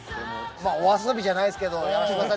お遊びじゃないですけどやらしてください！